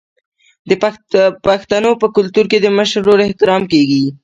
د پښتنو په کلتور کې د مشر ورور احترام کیږي.